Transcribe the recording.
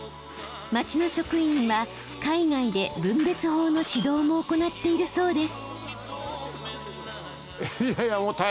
町の職員は海外で分別法の指導も行っているそうです。